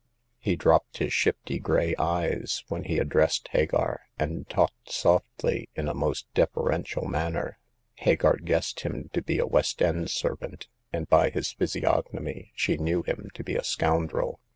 He dropped his shifty gray eyes when he ad The Ninth Customer. 229 dressed Hagar, and talked softly in a most def erential manner. Hagar guessed him to be a West end servant ; and by his physiognomy she knew him to be a scoundrel.